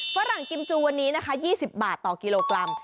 ฝรั่งกิมจูวันนี้นะคะ๒๐บาทต่อกิโลกรัม